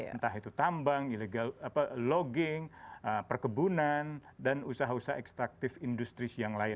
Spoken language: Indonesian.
entah itu tambang logging perkebunan dan usaha usaha ekstraktif industri yang lain